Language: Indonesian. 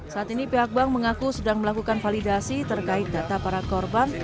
saat ini pihak bank mengaku sedang melakukan validasi terkait data para korban